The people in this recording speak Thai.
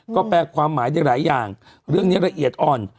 ก็แปลความหมายได้หลายอย่างเรื่องนี้ละเอียดอ่อน